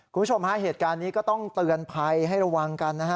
คุณผู้ชมฮะเหตุการณ์นี้ก็ต้องเตือนภัยให้ระวังกันนะฮะ